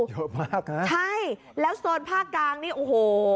เยอะมากนะใช่แล้วโซนภาคกลางนี่โอ้โห